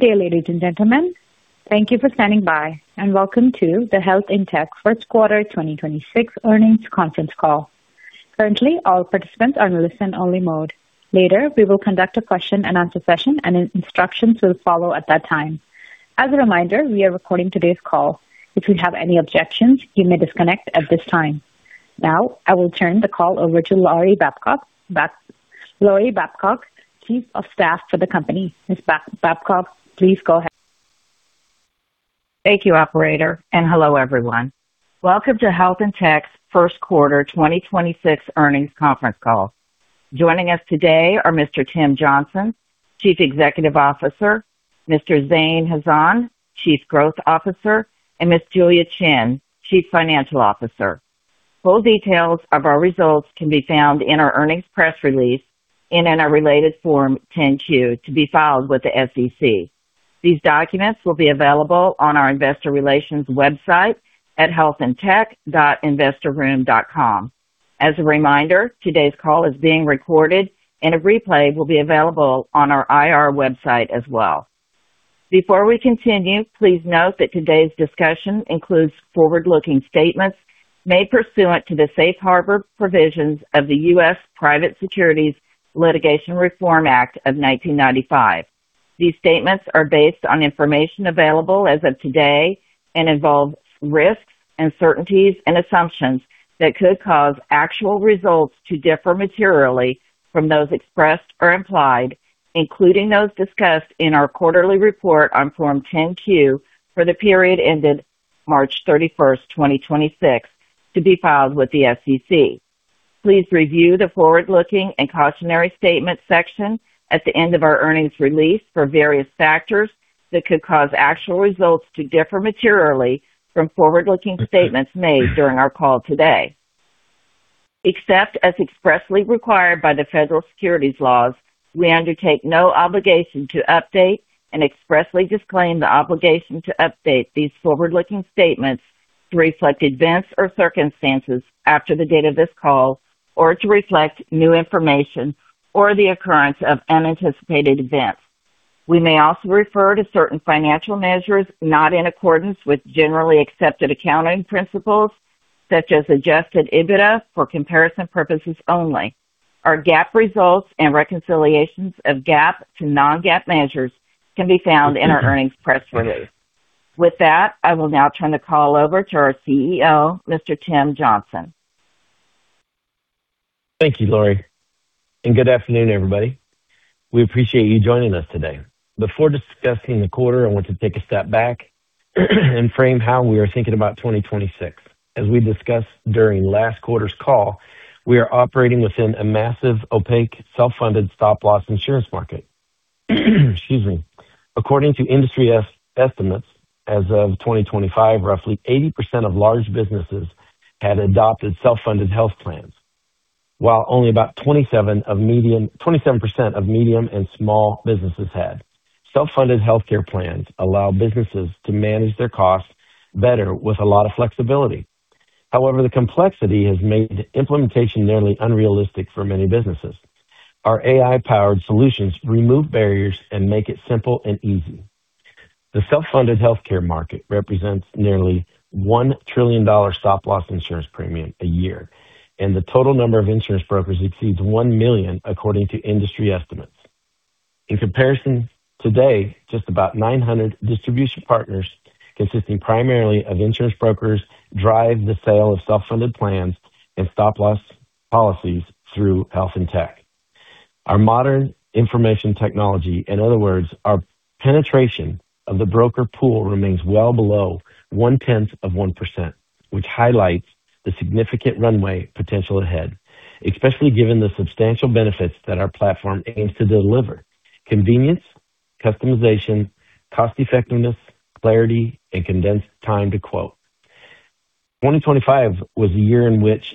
Good day, ladies and gentlemen. Thank you for standing by, and welcome to the Health In Tech First Quarter 2026 Earnings Conference Call. Currently, all participants are in listen only mode. Later, we will conduct a question-and-answer session. Instructions will follow at that time. As a reminder, we are recording today's call. If you have any objections, you may disconnect at this time. Now, I will turn the call over to Lori Babcock, Chief of Staff for the company. Ms. Babcock, please go ahead. Thank you, operator, and hello, everyone. Welcome to Health In Tech's First Quarter 2026 Earnings Conference Call. Joining us today are Mr. Tim Johnson, Chief Executive Officer, Mr. Zain Hasan, Chief Growth Officer, and Ms. Julia Qian, Chief Financial Officer. Full details of our results can be found in our earnings press release and in our related Form 10-Q to be filed with the SEC. These documents will be available on our investor relations website at healthintech.investorroom.com. As a reminder, today's call is being recorded and a replay will be available on our IR website as well. Before we continue, please note that today's discussion includes forward-looking statements made pursuant to the Safe Harbor Provisions of the U.S. Private Securities Litigation Reform Act of 1995. These statements are based on information available as of today and involve risks, uncertainties and assumptions that could cause actual results to differ materially from those expressed or implied, including those discussed in our quarterly report on Form 10-Q for the period ended March 31st, 2026, to be filed with the SEC. Please review the forward-looking and cautionary statement section at the end of our earnings release for various factors that could cause actual results to differ materially from forward-looking statements made during our call today. Except as expressly required by the federal securities laws, we undertake no obligation to update and expressly disclaim the obligation to update these forward-looking statements to reflect events or circumstances after the date of this call or to reflect new information or the occurrence of unanticipated events. We may also refer to certain financial measures not in accordance with generally accepted accounting principles, such as adjusted EBITDA, for comparison purposes only. Our GAAP results and reconciliations of GAAP to non-GAAP measures can be found in our earnings press release. With that, I will now turn the call over to our CEO, Mr. Tim Johnson. Thank you, Lori. Good afternoon, everybody. We appreciate you joining us today. Before discussing the quarter, I want to take a step back and frame how we are thinking about 2026. As we discussed during last quarter's call, we are operating within a massive, opaque, self-funded stop-loss insurance market. Excuse me. According to industry estimates, as of 2025, roughly 80% of large businesses had adopted self-funded health plans, while only about 27% of medium and small businesses had. Self-funded healthcare plans allow businesses to manage their costs better with a lot of flexibility. However, the complexity has made implementation nearly unrealistic for many businesses. Our AI-powered solutions remove barriers and make it simple and easy. The self-funded healthcare market represents nearly $1 trillion stop-loss insurance premium a year, and the total number of insurance brokers exceeds 1 million, according to industry estimates. In comparison, today, just about 900 distribution partners, consisting primarily of insurance brokers, drive the sale of self-funded plans and stop-loss policies through Health In Tech. Our modern information technology, in other words, our penetration of the broker pool remains well below 1/10 of 1%, which highlights the significant runway potential ahead, especially given the substantial benefits that our platform aims to deliver: convenience, customization, cost effectiveness, clarity and condensed time to quote. 2025 was a year in which,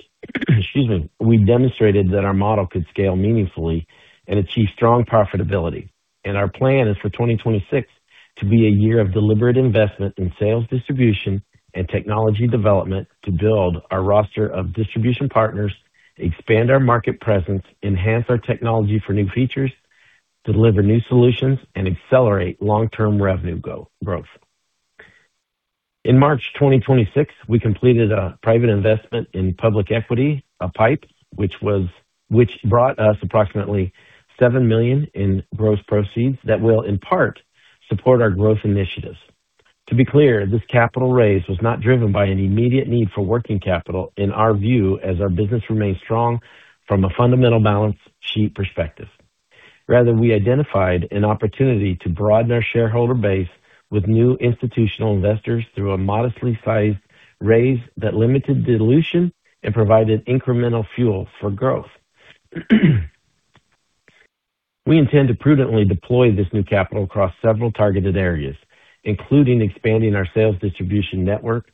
excuse me, we demonstrated that our model could scale meaningfully and achieve strong profitability. Our plan is for 2026 to be a year of deliberate investment in sales distribution and technology development to build our roster of distribution partners, expand our market presence, enhance our technology for new features, deliver new solutions and accelerate long-term revenue growth. In March 2026, we completed a private investment in public equity, a PIPE, which brought us approximately $7 million in gross proceeds that will in part support our growth initiatives. To be clear, this capital raise was not driven by an immediate need for working capital in our view, as our business remains strong from a fundamental balance sheet perspective. Rather, we identified an opportunity to broaden our shareholder base with new institutional investors through a modestly sized raise that limited dilution and provided incremental fuel for growth. We intend to prudently deploy this new capital across several targeted areas, including expanding our sales distribution network,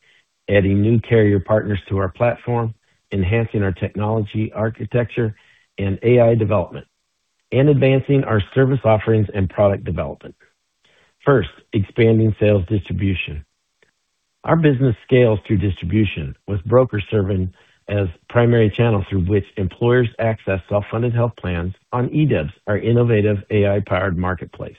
adding new carrier partners to our platform, enhancing our technology architecture and AI development, and advancing our service offerings and product development. First, expanding sales distribution. Our business scales through distribution, with brokers serving as primary channels through which employers access self-funded health plans on eDIYBS, our innovative AI-powered marketplace.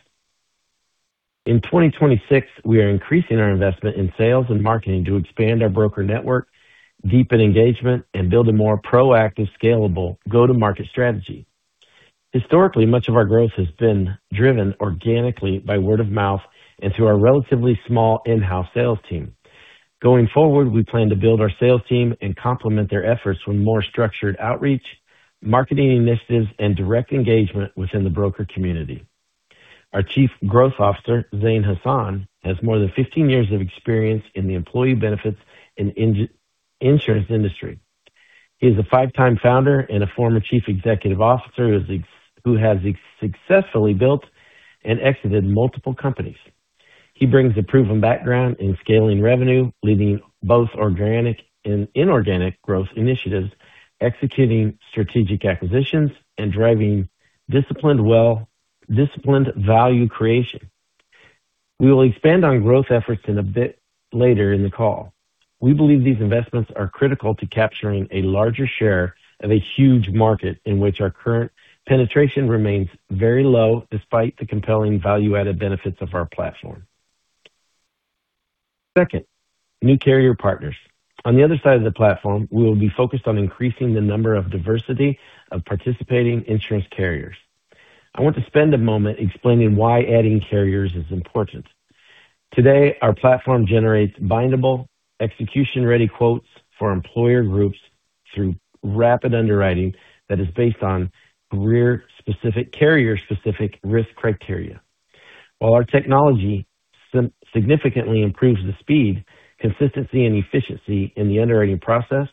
In 2026, we are increasing our investment in sales and marketing to expand our broker network, deepen engagement, and build a more proactive, scalable go-to-market strategy. Historically, much of our growth has been driven organically by word of mouth and through our relatively small in-house sales team. Going forward, we plan to build our sales team and complement their efforts with more structured outreach, marketing initiatives, and direct engagement within the broker community. Our Chief Growth Officer, Zain Hasan, has more than 15 years of experience in the employee benefits and insurance industry. He is a five-time founder and a former chief executive officer who has successfully built and exited multiple companies. He brings a proven background in scaling revenue, leading both organic and inorganic growth initiatives, executing strategic acquisitions, and driving disciplined value creation. We will expand on growth efforts in a bit later in the call. We believe these investments are critical to capturing a larger share of a huge market in which our current penetration remains very low despite the compelling value-added benefits of our platform. Second, new carrier partners. On the other side of the platform, we will be focused on increasing the number of diversity of participating insurance carriers. I want to spend a moment explaining why adding carriers is important. Today, our platform generates bindable execution-ready quotes for employer groups through rapid underwriting that is based on carrier-specific, carrier-specific risk criteria. While our technology significantly improves the speed, consistency, and efficiency in the underwriting process,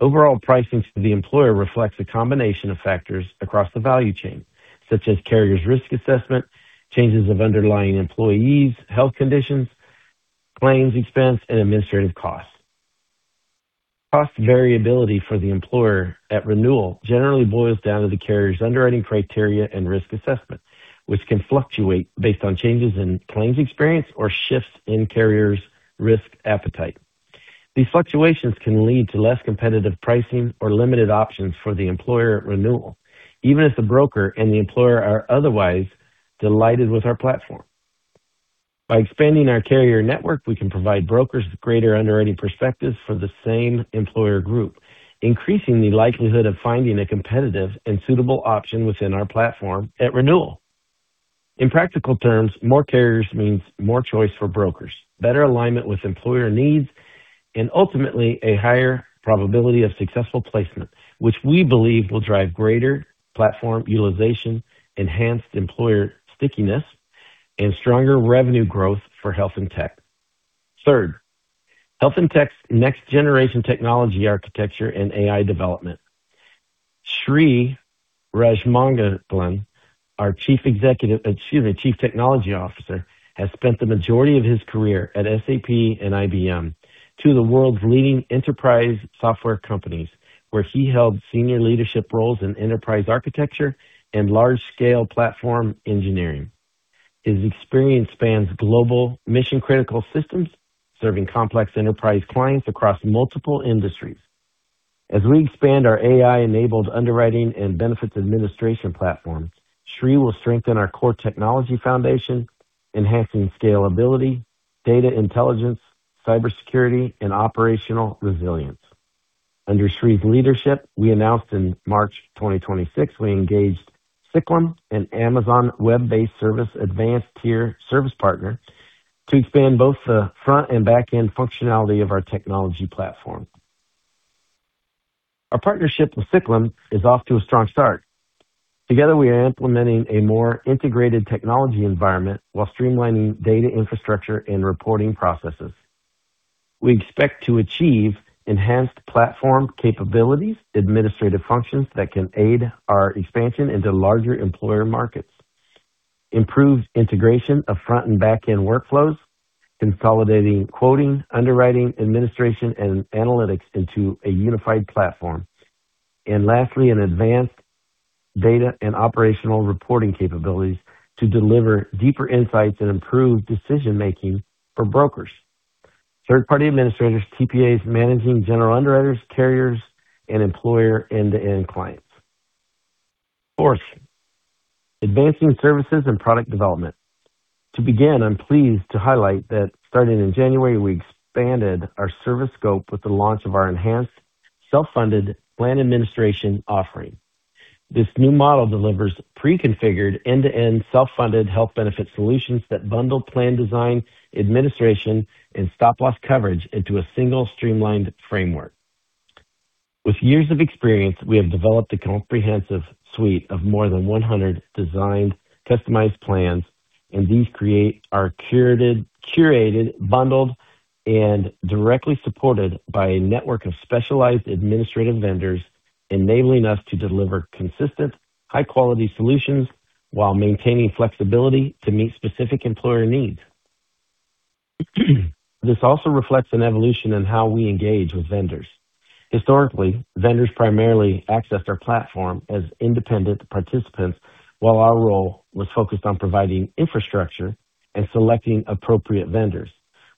overall pricing to the employer reflects a combination of factors across the value chain, such as carrier's risk assessment, changes of underlying employees, health conditions, claims expense, and administrative costs. Cost variability for the employer at renewal generally boils down to the carrier's underwriting criteria and risk assessment, which can fluctuate based on changes in claims experience or shifts in carrier's risk appetite. These fluctuations can lead to less competitive pricing or limited options for the employer at renewal, even if the broker and the employer are otherwise delighted with our platform. By expanding our carrier network, we can provide brokers with greater underwriting perspectives for the same employer group, increasing the likelihood of finding a competitive and suitable option within our platform at renewal. In practical terms, more carriers means more choice for brokers, better alignment with employer needs, and ultimately a higher probability of successful placement, which we believe will drive greater platform utilization, enhanced employer stickiness, and stronger revenue growth for Health In Tech. Third, Health In Tech's next-generation technology architecture and AI development. Sri Rajagopalan, our Chief Technology Officer, has spent the majority of his career at SAP and IBM, two of the world's leading enterprise software companies, where he held senior leadership roles in enterprise architecture and large-scale platform engineering. His experience spans global mission-critical systems, serving complex enterprise clients across multiple industries. As we expand our AI-enabled underwriting and benefits administration platforms, Sri will strengthen our core technology foundation, enhancing scalability, data intelligence, cybersecurity, and operational resilience. Under Sri's leadership, we announced in March 2026, we engaged Ciklum, an Amazon Web-based Services Advanced Tier Service Partner, to expand both the front and back-end functionality of our technology platform. Our partnership with Ciklum is off to a strong start. Together, we are implementing a more integrated technology environment while streamlining data infrastructure and reporting processes. We expect to achieve enhanced platform capabilities, administrative functions that can aid our expansion into larger employer markets, improve integration of front and back-end workflows, consolidating quoting, underwriting, administration, and analytics into a unified platform. Lastly, an advanced data and operational reporting capabilities to deliver deeper insights and improve decision-making for brokers, Third-party administrators, TPAs, managing general underwriters, carriers, and employer end-to-end clients. Fourth, advancing services and product development. To begin, I am pleased to highlight that starting in January, we expanded our service scope with the launch of our enhanced self-funded plan administration offering. This new model delivers pre-configured end-to-end self-funded health benefit solutions that bundle plan design, administration, and stop-loss coverage into a single streamlined framework. With years of experience, we have developed a comprehensive suite of more than 100 designed customized plans, and these are curated, bundled, and directly supported by a network of specialized administrative vendors, enabling us to deliver consistent, high-quality solutions while maintaining flexibility to meet specific employer needs. This also reflects an evolution in how we engage with vendors. Historically, vendors primarily accessed our platform as independent participants, while our role was focused on providing infrastructure and selecting appropriate vendors.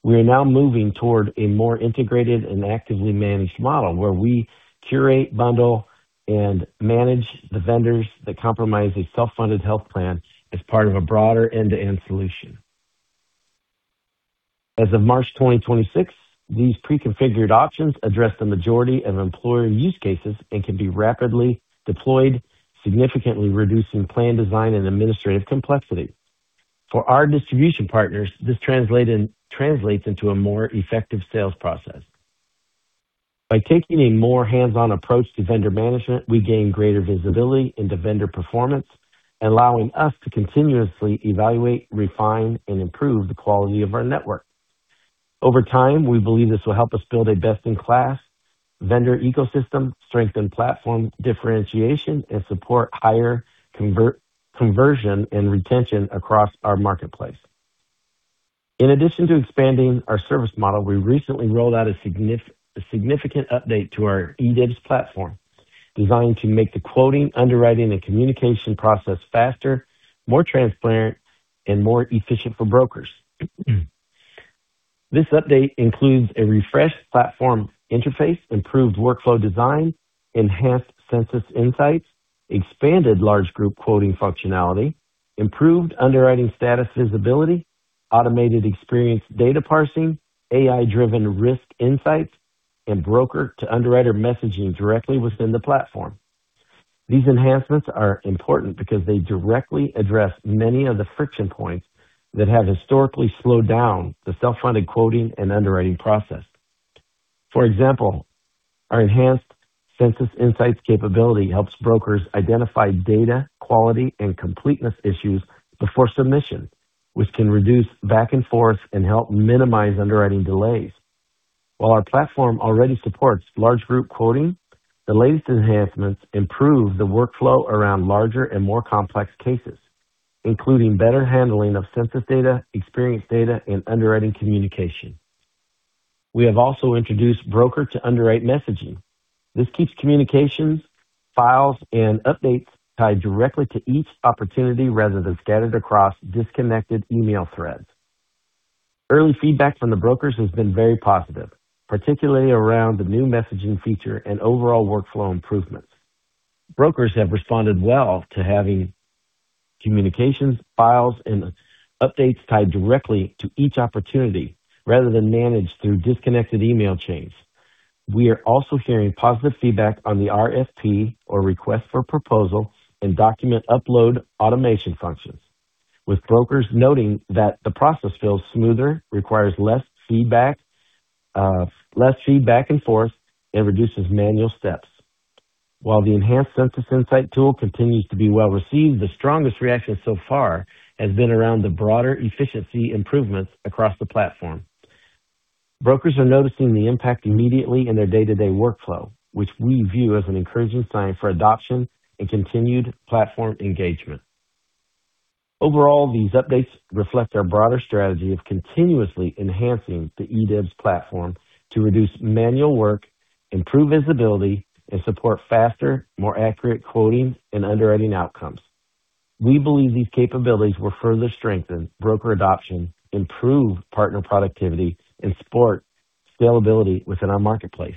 We are now moving toward a more integrated and actively managed model where we curate, bundle, and manage the vendors that comprise a self-funded health plan as part of a broader end-to-end solution. As of March 2026, these pre-configured options address the majority of employer use cases and can be rapidly deployed, significantly reducing plan design and administrative complexity. For our distribution partners, this translates into a more effective sales process. By taking a more hands-on approach to vendor management, we gain greater visibility into vendor performance, allowing us to continuously evaluate, refine, and improve the quality of our network. Over time, we believe this will help us build a best-in-class vendor ecosystem, strengthen platform differentiation, and support higher conversion and retention across our marketplace. In addition to expanding our service model, we recently rolled out a significant update to our eDIYBS platform, designed to make the quoting, underwriting, and communication process faster, more transparent, and more efficient for brokers. This update includes a refreshed platform interface, improved workflow design, enhanced census insights, expanded large group quoting functionality, improved underwriting status visibility, automated experience data parsing, AI-driven risk insights, and broker-to-underwriter messaging directly within the platform. These enhancements are important because they directly address many of the friction points that have historically slowed down the self-funded quoting and underwriting process. For example, our enhanced census insights capability helps brokers identify data quality and completeness issues before submission, which can reduce back and forth and help minimize underwriting delays. While our platform already supports large group quoting, the latest enhancements improve the workflow around larger and more complex cases, including better handling of census data, experience data, and underwriting communication. We have also introduced broker-to-underwrite messaging. This keeps communications, files, and updates tied directly to each opportunity rather than scattered across disconnected email threads. Early feedback from the brokers has been very positive, particularly around the new messaging feature and overall workflow improvements. Brokers have responded well to having communications, files, and updates tied directly to each opportunity rather than managed through disconnected email chains. We are also hearing positive feedback on the RFP or request for proposal and document upload automation functions, with brokers noting that the process feels smoother, requires less feedback and forth, and reduces manual steps. While the enhanced census insight tool continues to be well-received, the strongest reaction so far has been around the broader efficiency improvements across the platform. Brokers are noticing the impact immediately in their day-to-day workflow, which we view as an encouraging sign for adoption and continued platform engagement. Overall, these updates reflect our broader strategy of continuously enhancing the eDIYBS platform to reduce manual work, improve visibility, and support faster, more accurate quoting and underwriting outcomes. We believe these capabilities will further strengthen broker adoption, improve partner productivity, and support scalability within our marketplace.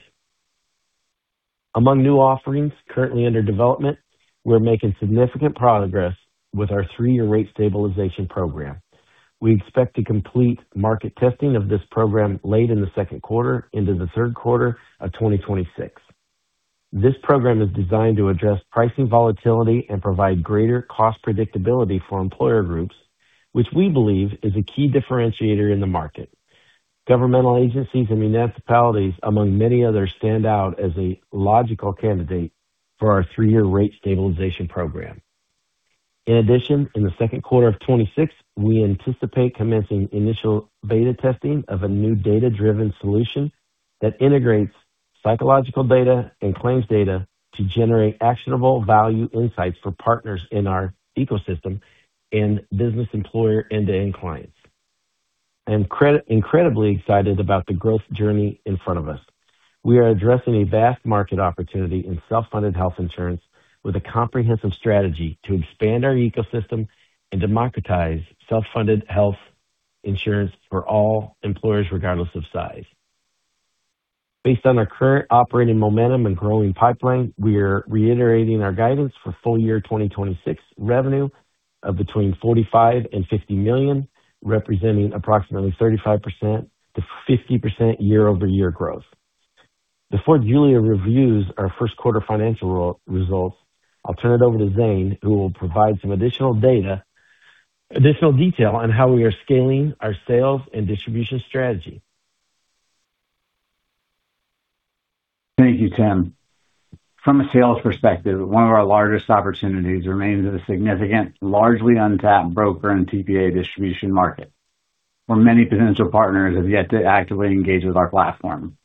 Among new offerings currently under development, we're making significant progress with our Three-Year Rate Stabilization Program. We expect to complete market testing of this program late in the second quarter into the third quarter of 2026. This program is designed to address pricing volatility and provide greater cost predictability for employer groups, which we believe is a key differentiator in the market. Governmental agencies and municipalities, among many others, stand out as a logical candidate for our Three-Year Rate Stabilization Program. In addition, in the second quarter of 2026, we anticipate commencing initial beta testing of a new data-driven solution that integrates psychological data and claims data to generate actionable value insights for partners in our ecosystem and business employer end-to-end clients. I am incredibly excited about the growth journey in front of us. We are addressing a vast market opportunity in self-funded health insurance with a comprehensive strategy to expand our ecosystem and democratize self-funded health insurance for all employers, regardless of size. Based on our current operating momentum and growing pipeline, we are reiterating our guidance for full year 2026 revenue of between $45 million and $50 million, representing approximately 35%-50% year-over-year growth. Before Julia reviews our first quarter financial results, I'll turn it over to Zain, who will provide some additional detail on how we are scaling our sales and distribution strategy. Thank you, Tim. From a sales perspective, one of our largest opportunities remains in a significant, largely untapped broker and TPA distribution market, where many potential partners have yet to actively engage with our platform.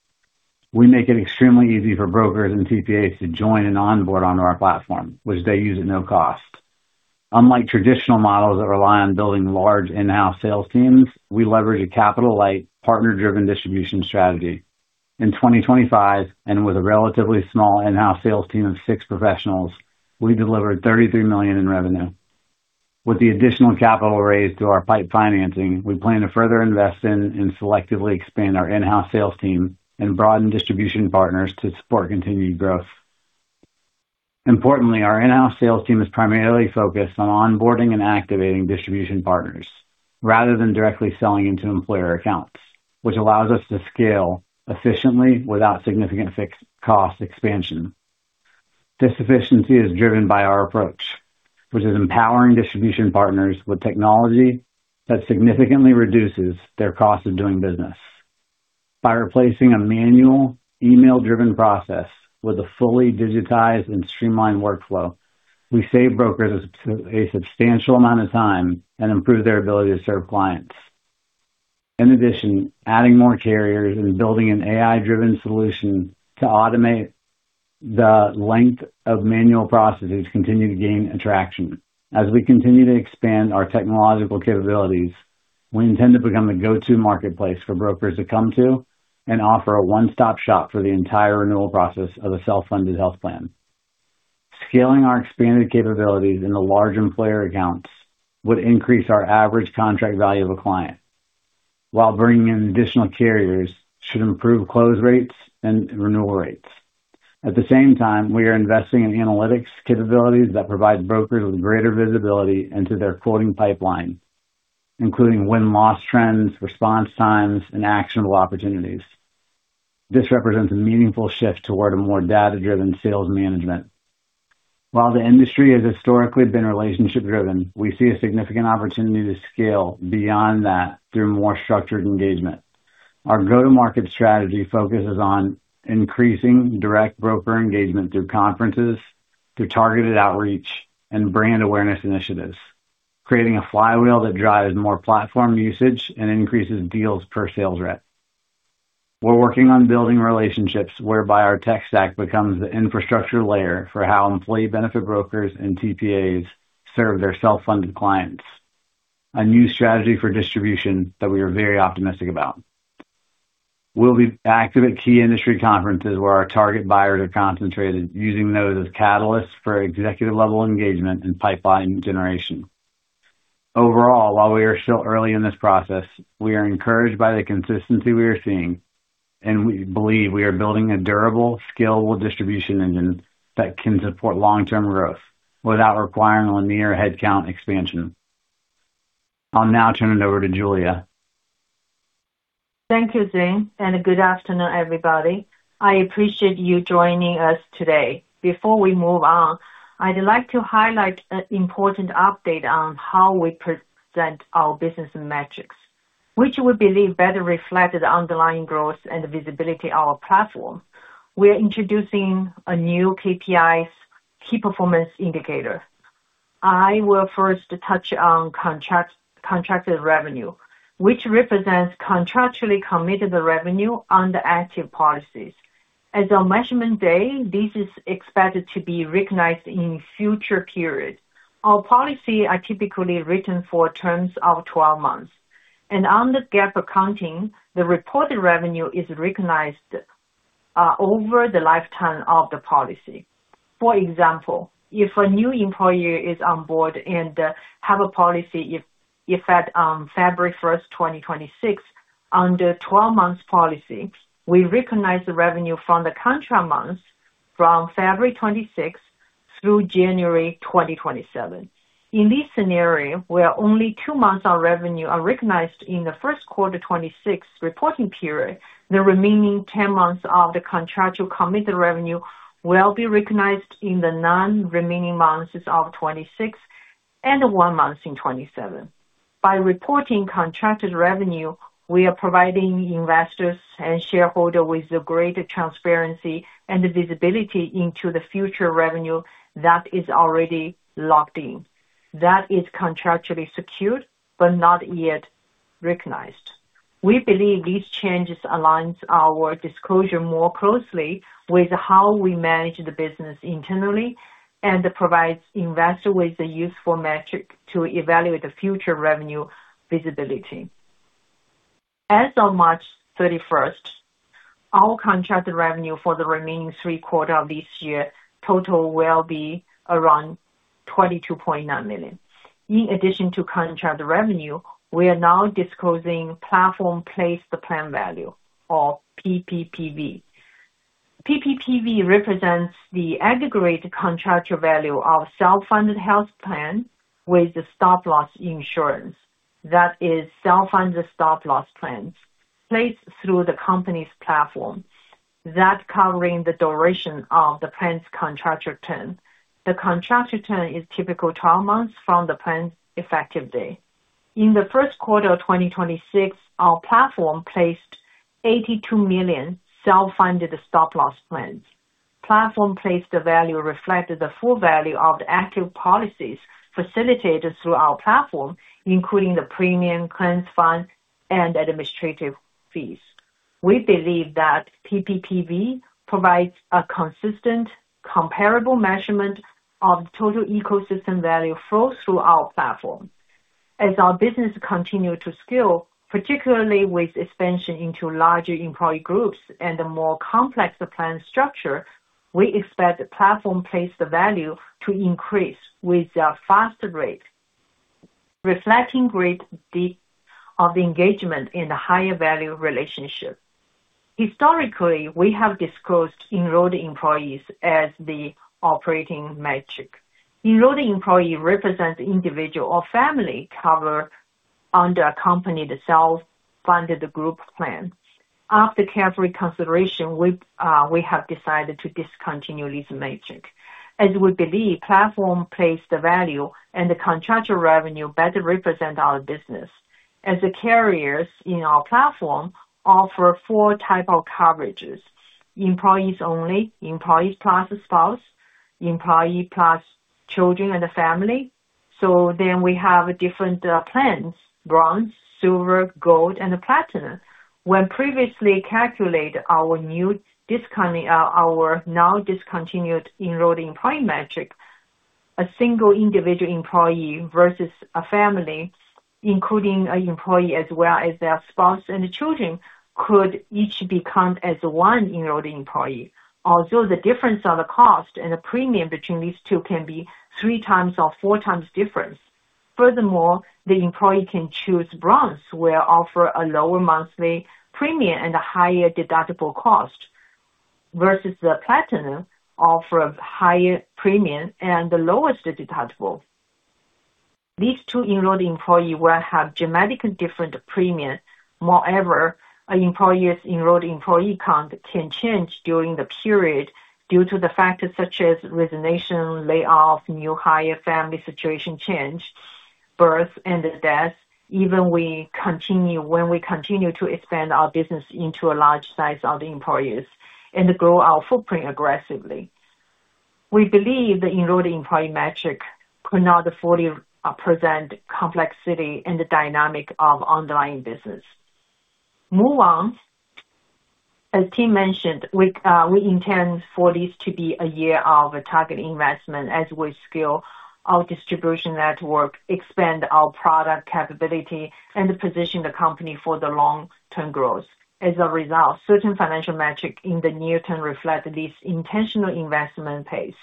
We make it extremely easy for brokers and TPAs to join and onboard onto our platform, which they use at no cost. Unlike traditional models that rely on building large in-house sales teams, we leverage a capital-light partner-driven distribution strategy. In 2025, and with a relatively small in-house sales team of six professionals, we delivered $33 million in revenue. With the additional capital raised through our PIPE financing, we plan to further invest in and selectively expand our in-house sales team and broaden distribution partners to support continued growth. Importantly, our in-house sales team is primarily focused on onboarding and activating distribution partners rather than directly selling into employer accounts, which allows us to scale efficiently without significant fixed cost expansion. This efficiency is driven by our approach, which is empowering distribution partners with technology that significantly reduces their cost of doing business. By replacing a manual email-driven process with a fully digitized and streamlined workflow, we save brokers a substantial amount of time and improve their ability to serve clients. In addition, adding more carriers and building an AI-driven solution to automate the length of manual processes continue to gain traction. As we continue to expand our technological capabilities, we intend to become the go-to marketplace for brokers to come to and offer a one-stop shop for the entire renewal process of a self-funded health plan. Scaling our expanded capabilities in the large employer accounts would increase our average contract value of a client, while bringing in additional carriers should improve close rates and renewal rates. At the same time, we are investing in analytics capabilities that provides brokers with greater visibility into their quoting pipeline, including win-loss trends, response times, and actionable opportunities. This represents a meaningful shift toward a more data-driven sales management. While the industry has historically been relationship-driven, we see a significant opportunity to scale beyond that through more structured engagement. Our go-to-market strategy focuses on increasing direct broker engagement through conferences, through targeted outreach, and brand awareness initiatives, creating a flywheel that drives more platform usage and increases deals per sales rep. We're working on building relationships whereby our tech stack becomes the infrastructure layer for how employee benefit brokers and TPAs serve their self-funded clients, a new strategy for distribution that we are very optimistic about. We'll be active at key industry conferences where our target buyers are concentrated, using those as catalysts for executive-level engagement and pipeline generation. Overall, while we are still early in this process, we are encouraged by the consistency we are seeing, and we believe we are building a durable, scalable distribution engine that can support long-term growth without requiring linear headcount expansion. I'll now turn it over to Julia. Thank you, Zain. Good afternoon, everybody. I appreciate you joining us today. Before we move on, I'd like to highlight an important update on how we present our business metrics, which we believe better reflect the underlying growth and visibility of our platform. We are introducing a new KPIs, key performance indicator. I will first touch on contracted revenue, which represents contractually committed revenue on the active policies. As a measurement day, this is expected to be recognized in future periods. Our policy are typically written for terms of 12 months. Under GAAP accounting, the reported revenue is recognized over the lifetime of the policy. For example, if a new employer is on board and have a policy effect on February 1st, 2026, under 12 months policy, we recognize the revenue from the contract months from February 2026 through January 2027. In this scenario, where only two months of revenue are recognized in the first quarter 2026 reporting period, the remaining 10 months of the contractual committed revenue will be recognized in the nine remaining months of 2026 and one month in 2027. By reporting contracted revenue, we are providing investors and shareholder with the greater transparency and the visibility into the future revenue that is already locked in. That is contractually secured, but not yet recognized. We believe these changes aligns our disclosure more closely with how we manage the business internally and provides investors with a useful metric to evaluate the future revenue visibility. As of March 31st, our contracted revenue for the remaining three quarter of this year total will be around $22.9 million. In addition to contracted revenue, we are now disclosing Platform Placed the Plan Value or PPPV. PPPV represents the aggregate contractual value of self-funded health plan with the stop-loss insurance that is self-funded stop-loss plans placed through the company's platform that covering the duration of the plan's contractual term. The contractual term is typical 12 months from the plan's effective date. In the first quarter of 2026, our platform placed $82 million self-funded stop-loss plans. Platform placed the value reflected the full value of the active policies facilitated through our platform, including the premium claims fund and administrative fees. We believe that PPPV provides a consistent comparable measurement of total ecosystem value flow through our platform. As our business continue to scale, particularly with expansion into larger employee groups and a more complex plan structure, we expect the platform place the value to increase with a faster rate, reflecting great deep of engagement in the higher value relationship. Historically, we have disclosed enrolled employees as the operating metric. [Enrolled] employee represents individual or family cover under a company, the self-funded group plan. After careful consideration, we have decided to discontinue this metric as we believe platform placed the plan value and the contractual revenue better represent our business. The carriers in our platform offer four type of coverages, employees only, employees plus a spouse, employee plus children and a family. We have different plans, Bronze, Silver, Gold and Platinum. When previously calculated our now discontinued enrolled employee metric, a single individual employee versus a family, including an employee as well as their spouse and children, could each be counted as one enrolled employee. Although the difference on the cost and the premium between these two can be 3x or 4x difference. Furthermore, the employee can choose Bronze will offer a lower monthly premium and a higher deductible cost, versus the Platinum offer higher premium and the lowest deductible. These two enrolled employee will have dramatically different premium. Moreover, an employee's enrolled employee count can change during the period due to the factors such as resignation, layoff, new hire, family situation change, birth and death. When we continue to expand our business into a large size of the employees and grow our footprint aggressively. We believe the enrolled employee metric could not fully present complexity and the dynamic of underlying business. Move on. As Tim mentioned, we intend for this to be a year of target investment as we scale our distribution network, expand our product capability, and position the company for the long-term growth. As a result, certain financial metric in the near term reflect this intentional investment pace.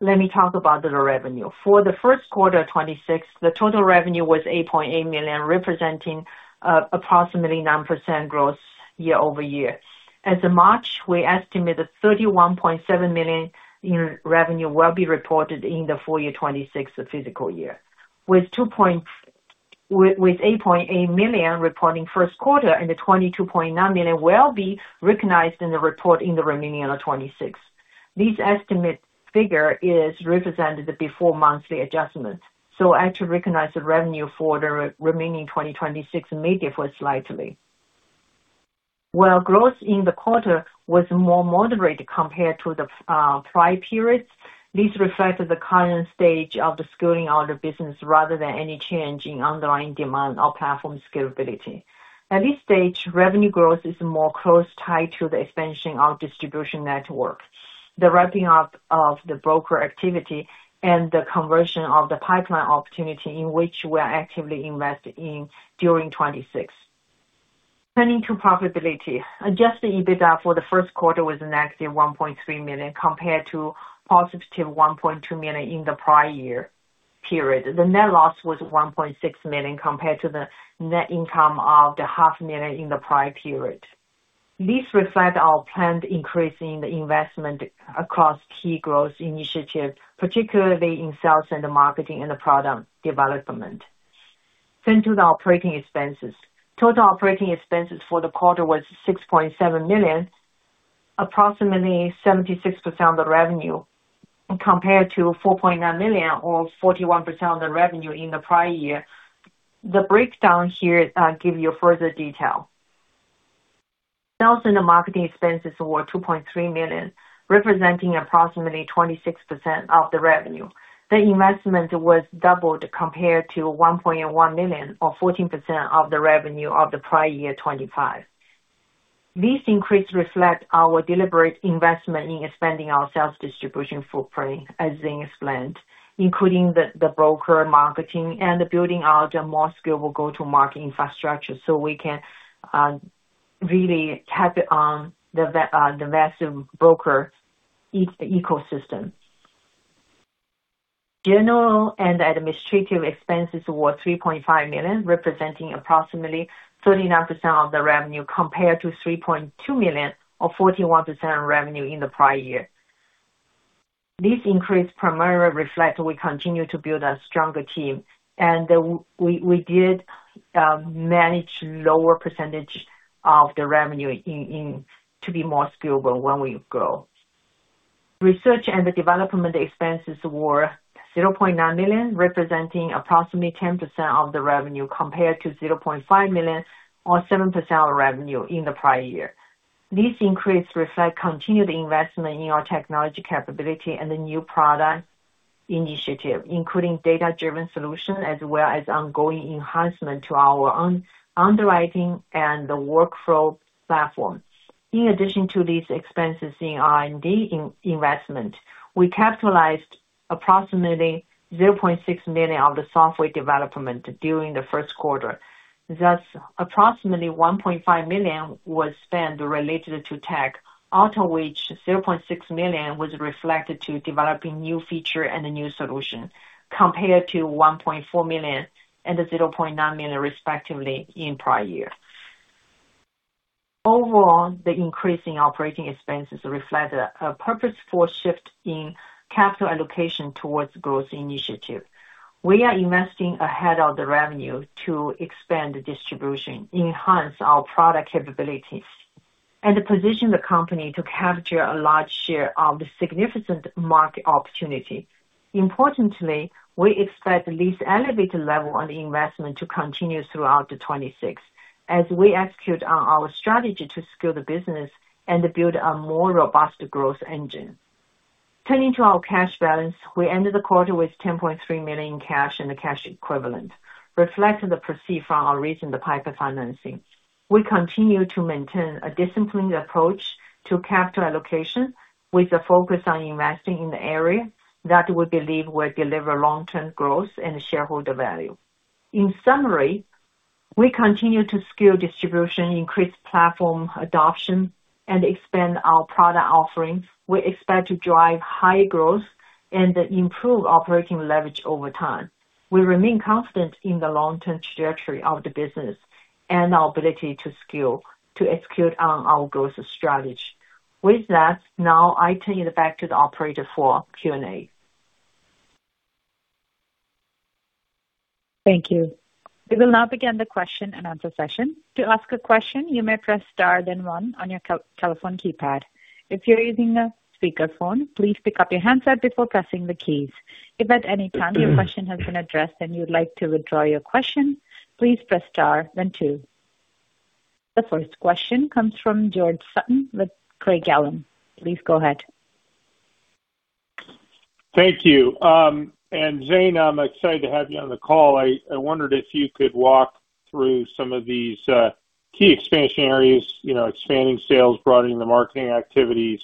Let me talk about the revenue. For the first quarter 2026, the total revenue was $8.8 million, representing approximately 9% growth year-over-year. As of March, we estimated $31.7 million in revenue will be reported in the full year 2026 fiscal year. With $8.8 million reporting first quarter and the $22.9 million will be recognized in the report in the remaining of 2026. This estimate figure is represented before monthly adjustment. Actually recognize the revenue for the remaining 2026 may differ slightly. While growth in the quarter was more moderate compared to the prior periods, this reflects the current stage of the scaling of the business rather than any change in underlying demand or platform scalability. At this stage, revenue growth is more closely tied to the expansion of distribution network, the ramping up of the broker activity and the conversion of the pipeline opportunity in which we are actively investing in during 2026. Turning to profitability, adjusted EBITDA for the first quarter was - $1.3 million compared to +$1.2 million in the prior year period. The net loss was $1.6 million compared to the net income of the $500,000 in the prior period. This reflect our planned increase in the investment across key growth initiatives, particularly in sales and marketing and the product development. Turn to the operating expenses. Total operating expenses for the quarter was $6.7 million, approximately 76% of revenue, compared to $4.9 million or 41% of the revenue in the prior year. The breakdown here, give you further detail. Sales and marketing expenses were $2.3 million, representing approximately 26% of the revenue. The investment was doubled compared to $1.1 million or 14% of the revenue of the prior year, 2025. This increase reflect our deliberate investment in expanding our sales distribution footprint, as Zain explained, including the broker marketing and building out a more scalable go-to-market infrastructure so we can really tap it on the massive broker e-ecosystem. General and administrative expenses were $3.5 million, representing approximately 39% of the revenue, compared to $3.2 million or 41% of revenue in the prior year. This increase primarily reflect we continue to build a stronger team, and we did manage lower percentage of the revenue to be more scalable when we grow. Research and the development expenses were $0.9 million, representing approximately 10% of the revenue, compared to $0.5 million or 7% of revenue in the prior year. This increase reflect continued investment in our technology capability and the new product initiative, including data-driven solution, as well as ongoing enhancement to our underwriting and the workflow platform. In addition to these expenses in R&D investment, we capitalized approximately $0.6 million of the software development during the first quarter. Thus, approximately $1.5 million was spent related to tech, out of which $0.6 million was reflected to developing new feature and a new solution, compared to $1.4 million and $0.9 million, respectively, in prior year. Overall, the increase in operating expenses reflect a purposeful shift in capital allocation towards growth initiative. We are investing ahead of the revenue to expand the distribution, enhance our product capabilities, and to position the company to capture a large share of the significant market opportunity. Importantly, we expect this elevated level on the investment to continue throughout 2026 as we execute on our strategy to scale the business and to build a more robust growth engine. Turning to our cash balance. We ended the quarter with $10.3 million in cash and cash equivalent, reflecting the proceed from our recent private financing. We continue to maintain a disciplined approach to capital allocation with a focus on investing in the area that we believe will deliver long-term growth and shareholder value. In summary, we continue to scale distribution, increase platform adoption, and expand our product offerings. We expect to drive high growth and improve operating leverage over time. We remain confident in the long-term trajectory of the business and our ability to execute on our growth strategy. With that, now I turn it back to the operator for Q&A. Thank you. We will now begin the question-and-answer session. To ask a question, you may press star then one on your telephone keypad. If you're using a speaker phone, please pick up your handset before pressing the keys. If at any time your question has been addressed and you'd like to withdraw your question, please press star then two. The first question comes from George Sutton with Craig-Hallum. Please go ahead. Thank you. Zain, I'm excited to have you on the call. I wondered if you could walk through some of these key expansion areas, you know, expanding sales, broadening the marketing activities,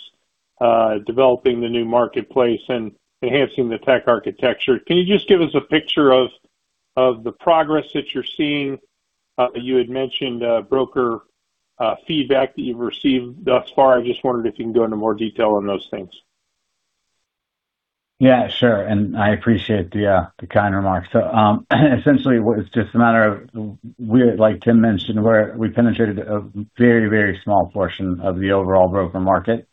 developing the new marketplace, and enhancing the tech architecture. Can you just give us a picture of the progress that you're seeing? You had mentioned broker feedback that you've received thus far. I just wondered if you can go into more detail on those things. Yeah, sure, I appreciate the kind remarks. Essentially, it's just a matter of we're, like Tim mentioned, we penetrated a very, very small portion of the overall broker market.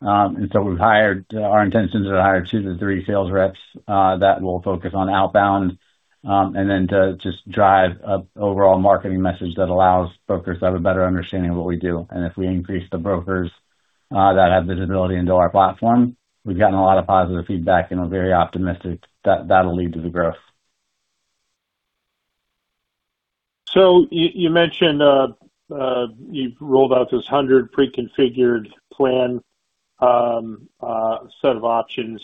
Our intentions are to hire two to three sales reps that will focus on outbound, to just drive a overall marketing message that allows brokers to have a better understanding of what we do. If we increase the brokers that have visibility into our platform, we've gotten a lot of positive feedback, we're very optimistic that that'll lead to the growth. You mentioned, you've rolled out this 100 pre-configured plan, set of options,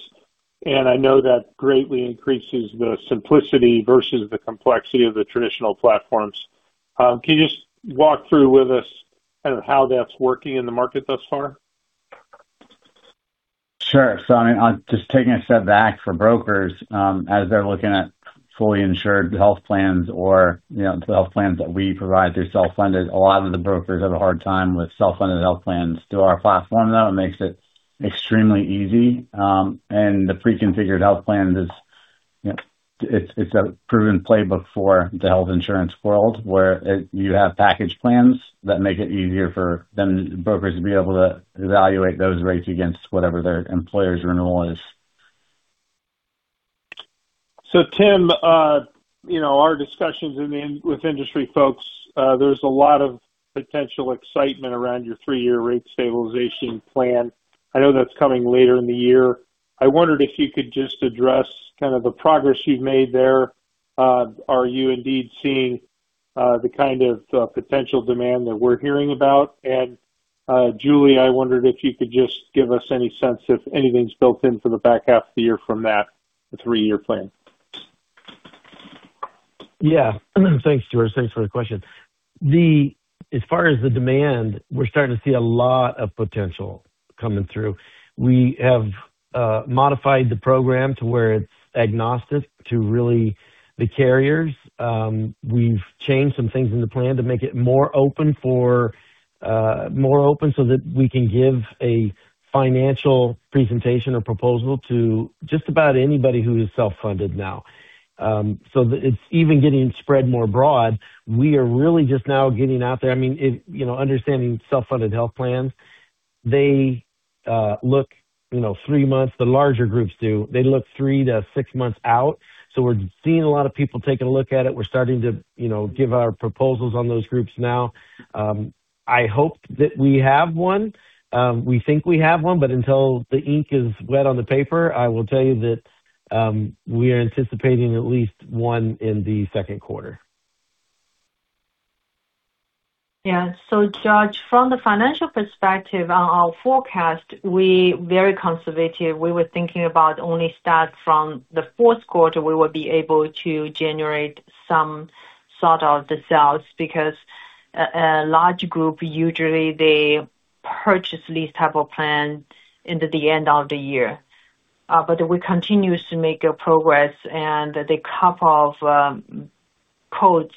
and I know that greatly increases the simplicity versus the complexity of the traditional platforms. Can you just walk through with us kind of how that's working in the market thus far? Sure. I mean, just taking a step back for brokers, as they're looking at fully insured health plans or, you know, the health plans that we provide through self-funded, a lot of the brokers have a hard time with self-funded health plans. Through our platform, though, it makes it extremely easy. The pre-configured health plan is, you know, it's a proven playbook for the health insurance world, where you have package plans that make it easier for then brokers to be able to evaluate those rates against whatever their employer's renewal is. Tim, our discussions with industry folks, there's a lot of potential excitement around your Three-Year Rate Stabilization Plan. I know that's coming later in the year. I wondered if you could just address kind of the progress you've made there. Are you indeed seeing the kind of potential demand that we're hearing about? Julia, I wondered if you could just give us any sense if anything's built in for the back half of the year from that, the Three-Year Rate Stabilization Plan. Yeah. Thanks, George. Thanks for the question. As far as the demand, we're starting to see a lot of potential coming through. We have modified the program to where it's agnostic to really the carriers. We've changed some things in the plan to make it more open for, more open so that we can give a financial presentation or proposal to just about anybody who is self-funded now. It's even getting spread more broad. We are really just now getting out there. I mean, you know, understanding self-funded health plans, they look, you know, three months, the larger groups do, they look three to six months out. We're seeing a lot of people taking a look at it. We're starting to, you know, give our proposals on those groups now. I hope that we have one. We think we have one, but until the ink is wet on the paper, I will tell you that we are anticipating at least one in the second quarter. Yes. George, from the financial perspective on our forecast, we very conservative. We were thinking about only start from the fourth quarter, we will be able to generate some sort of the sales because a large group usually they purchase lease type of plan into the end of the year. We continues to make a progress and the couple of quotes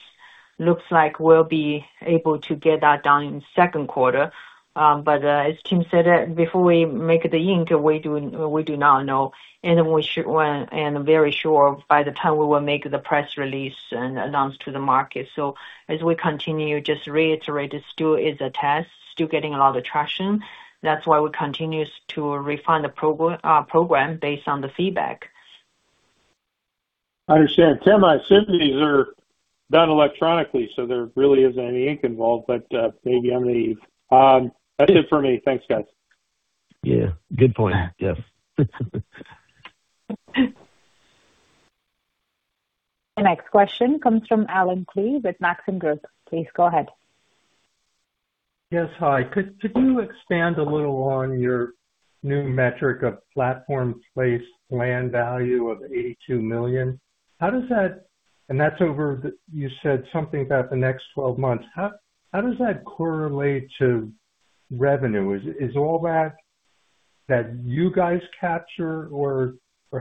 looks like we'll be able to get that done in second quarter. As Tim said, before we make the ink, we do not know and we should when, very sure by the time we will make the press release and announce to the market. As we continue, just reiterate, it still is a test, still getting a lot of traction. That's why we continue to refine the program based on the feedback. I understand. Tim, I assume these are done electronically, so there really isn't any ink involved, but, maybe I'm naive. I think that's it for me. Thanks, guys. Yeah, good point. Yes. The next question comes from Allen Klee with Maxim Group. Please go ahead. Yes. Hi. Could you expand a little on your new metric of platform placed plan value of $82 million? That's over the, you said something about the next 12 months. How does that correlate to revenue? Is all that you guys capture or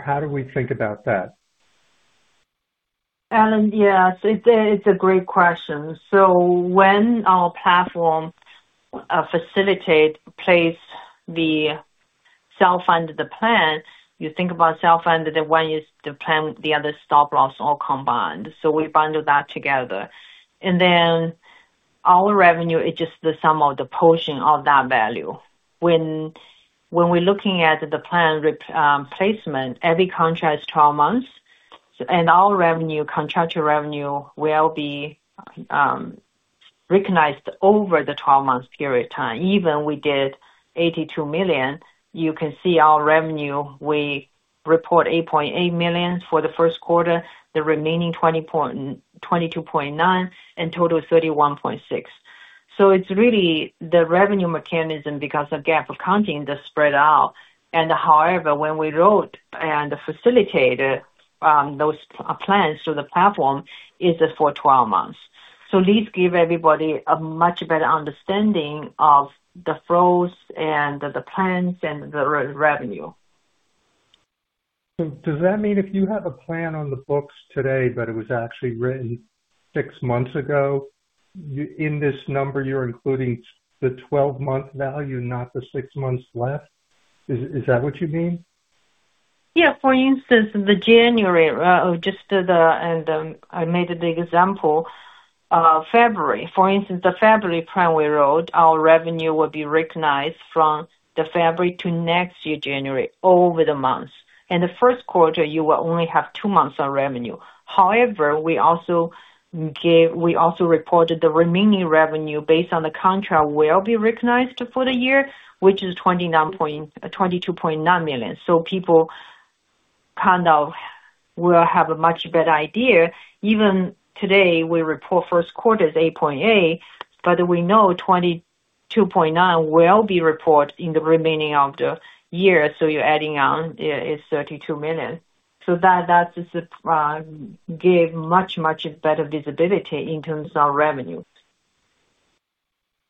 how do we think about that? Allen Klee, yes, it's a great question. When our platform facilitate place the sell under the plan, you think about sell under the one is the plan, the other stop loss all combined. We bundle that together. Our revenue is just the sum of the portion of that value. When we're looking at the plan placement, every contract is 12 months, and our revenue, contractual revenue will be recognized over the 12-month period of time. Even we did $82 million, you can see our revenue, we report $8.8 million for the first quarter, the remaining $22.9 million, and total is $31.6 million. It's really the revenue mechanism because of GAAP accounting that's spread out. However, when we wrote and facilitated those plans through the platform is for 12 months. This gives everybody a much better understanding of the flows and the plans and the revenue. Does that mean if you have a plan on the books today, but it was actually written six months ago, in this number, you're including the 12-month value, not the six months left? Is that what you mean? Yeah. For instance, the January, I made the example, February. For instance, the February plan we wrote, our revenue will be recognized from the February to next year, January, over the months. In the first quarter, you will only have two months of revenue. However, we also reported the remaining revenue based on the contract will be recognized for the year, which is $22.9 million. People kind of will have a much better idea. Even today, we report first quarter is $8.8 million, but we know $22.9 million will be reported in the remaining of the year, you're adding on, is $32 million. That is a gave much much better visibility in terms of revenues.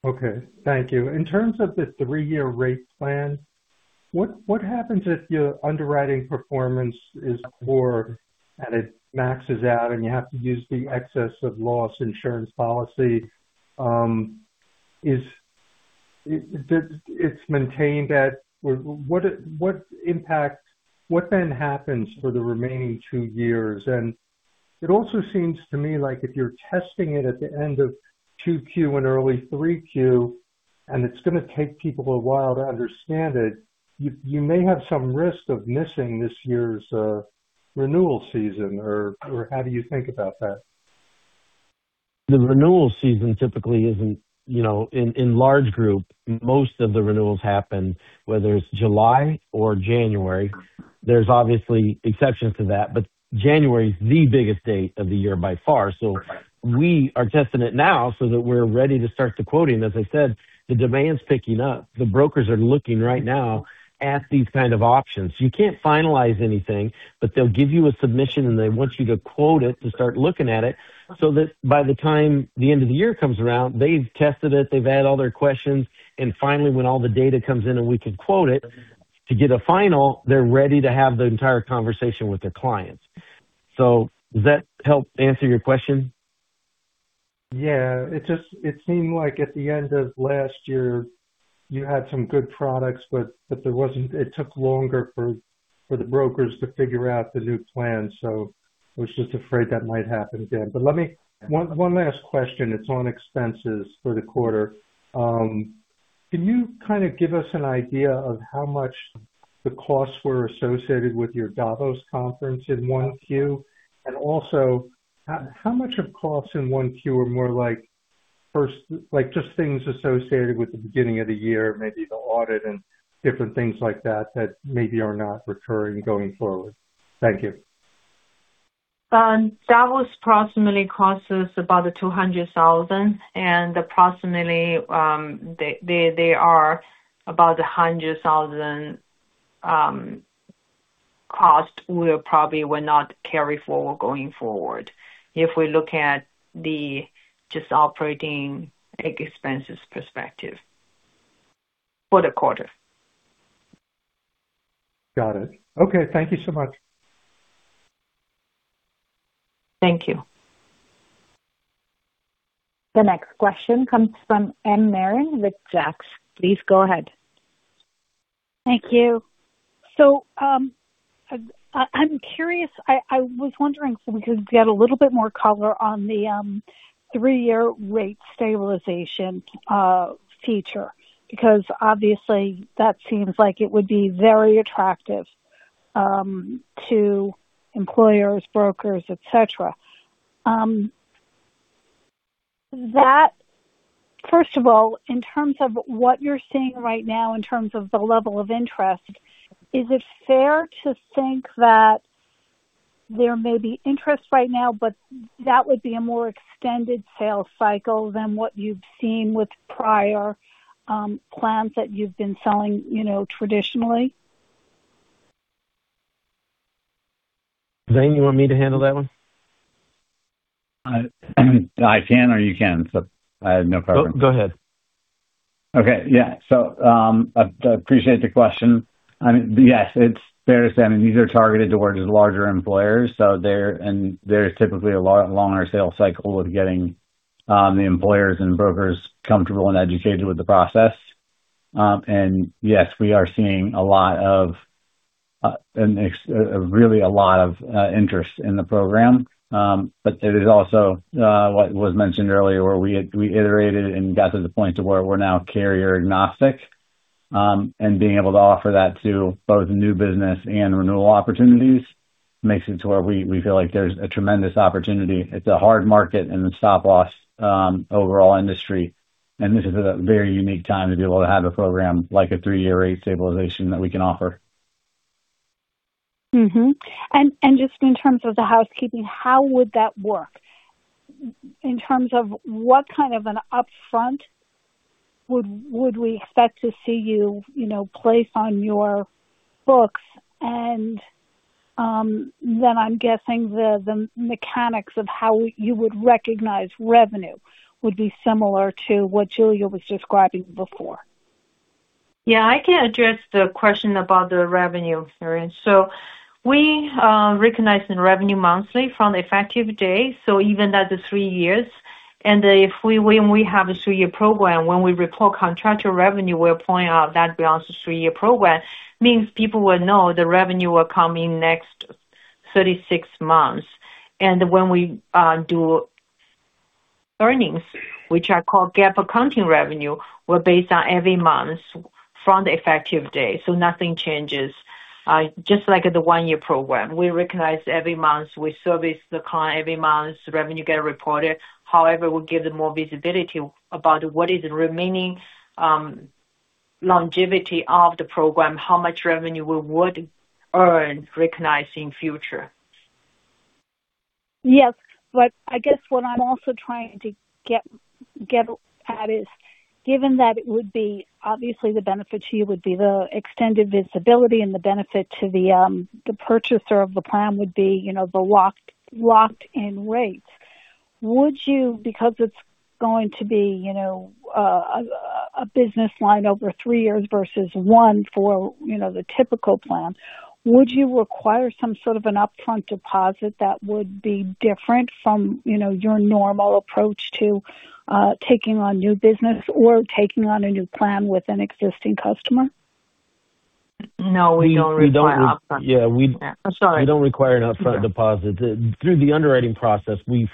Okay. Thank you. In terms of the three-year rate plan, what happens if your underwriting performance is poor and it maxes out and you have to use the excess of loss insurance policy? It's maintained at or what impact, what then happens for the remaining two years? It also seems to me like if you're testing it at the end of 2Q and early 3Q, and it's gonna take people a while to understand it, you may have some risk of missing this year's renewal season or how do you think about that? The renewal season typically isn't, you know, in large group, most of the renewals happen, whether it's July or January. There's obviously exceptions to that, but January is the biggest date of the year by far. We are testing it now so that we're ready to start the quoting. As I said, the demand is picking up. The brokers are looking right now at these kind of options. You can't finalize anything, but they'll give you a submission, and they want you to quote it, to start looking at it, so that by the time the end of the year comes around, they've tested it, they've had all their questions, and finally, when all the data comes in and we can quote it to get a final, they're ready to have the entire conversation with their clients. Does that help answer your question? It seemed like at the end of last year, you had some good products, but there wasn't. It took longer for the brokers to figure out the new plan. I was just afraid that might happen again. Let me. One last question. It's on expenses for the quarter. Can you kind of give us an idea of how much the costs were associated with your Davos conference in 1Q? Also, how much of costs in 1Q are more like first, just things associated with the beginning of the year, maybe the audit and different things like that maybe are not recurring going forward? Thank you. That was approximately cost us about $200,000, and approximately, they are about $100,000, cost we probably will not carry forward going forward if we look at the just operating expenses perspective for the quarter. Got it. Okay, thank you so much. Thank you. The next question comes from M. Marin with Zacks. Please go ahead. Thank you. I'm curious, I was wondering if we could get a little bit more color on the three-year rate stabilization feature, because obviously that seems like it would be very attractive to employers, brokers, et cetera. That first of all, in terms of what you're seeing right now in terms of the level of interest, is it fair to think that there may be interest right now, but that would be a more extended sales cycle than what you've seen with prior plans that you've been selling, you know, traditionally? Zain, you want me to handle that one? I can or you can, but I have no problem. Go, go ahead. Okay. Yeah. I appreciate the question. I mean, yes, it's fair to say. I mean, these are targeted towards larger employers. There's typically a longer sales cycle of getting the employers and brokers comfortable and educated with the process. Yes, we are seeing really a lot of interest in the program. It is also what was mentioned earlier where we iterated and got to the point to where we're now carrier agnostic, and being able to offer that to both new business and renewal opportunities makes it to where we feel like there's a tremendous opportunity. It's a hard market and a stop-loss overall industry. This is a very unique time to be able to have a program like a three-year rate stabilization program that we can offer. Mm-hmm. And just in terms of the housekeeping, how would that work in terms of what kind of an upfront would we expect to see you know, place on your books? Then I'm guessing the mechanics of how you would recognize revenue would be similar to what Julia was describing before. Yeah, I can address the question about the revenue, Marin. We recognize the revenue monthly from the effective date, even at the three years. When we have a three-year program, when we report contractual revenue, we'll point out that belongs to three-year program. Means people will know the revenue will come in next 36 months. When we do earnings, which are called GAAP accounting revenue, we're based on every month from the effective date, so nothing changes. Just like the one-year program. We recognize every month, we service the client every month, revenue get reported. However, we give them more visibility about what is the remaining longevity of the program, how much revenue we would earn recognizing future. Yes, I guess what I'm also trying to get at is given that it would be obviously the benefit to you would be the extended visibility and the benefit to the purchaser of the plan would be, you know, the locked in rates. Would you, because it's going to be, you know, a business line over three years versus one for, you know, the typical plan, would you require some sort of an upfront deposit that would be different from, you know, your normal approach to taking on new business or taking on a new plan with an existing customer? No, we don't require upfront. We don't. Yeah. I'm sorry. We don't require an upfront deposit. Through the underwriting process, we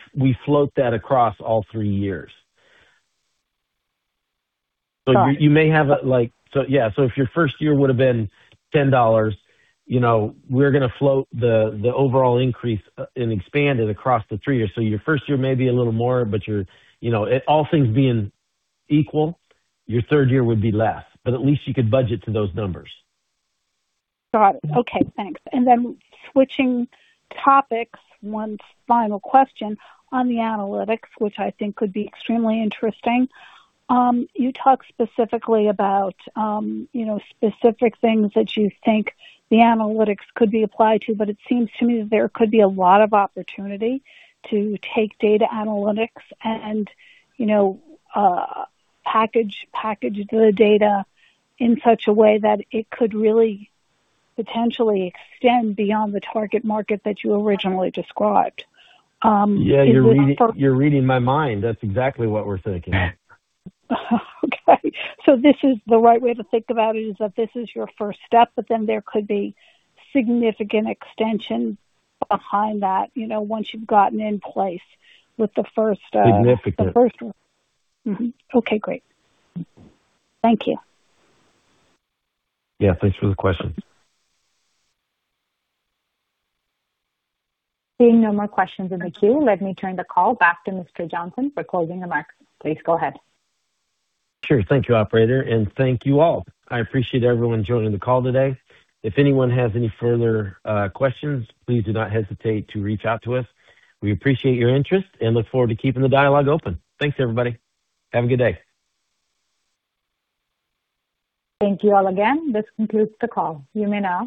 float that across all three years. Got it. You, you may have like, so yeah. If your first year would have been $10, you know, we're gonna float the overall increase and expand it across the three years. Your first year may be a little more, but your, you know, all things being equal, your third year would be less, but at least you could budget to those numbers. Got it. Okay, thanks. Switching topics, one final question on the analytics, which I think would be extremely interesting. You talked specifically about, you know, specific things that you think the analytics could be applied to, but it seems to me that there could be a lot of opportunity to take data analytics and, you know, package the data in such a way that it could really potentially extend beyond the target market that you originally described. Yeah, you're reading my mind. That's exactly what we're thinking. Okay. This is the right way to think about it, is that this is your first step, but then there could be significant extension behind that, you know, once you've gotten in place with the first. Significant. The first one. Mm-hmm. Okay, great. Thank you. Yeah, thanks for the question. Seeing no more questions in the queue, let me turn the call back to Mr. Johnson for closing remarks. Please go ahead. Sure. Thank you, operator, and thank you all. I appreciate everyone joining the call today. If anyone has any further questions, please do not hesitate to reach out to us. We appreciate your interest and look forward to keeping the dialogue open. Thanks, everybody. Have a good day. Thank you all again. This concludes the call. You may now